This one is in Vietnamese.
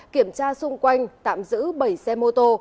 kiểm tra xung quanh tạm giữ bảy xe mô tô